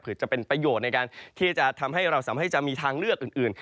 เพื่อจะเป็นประโยชน์ในการที่จะทำให้เราสามารถให้จะมีทางเลือกอื่น